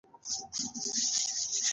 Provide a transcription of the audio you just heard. صنعت او پر ملي تولیداتو تمرکز.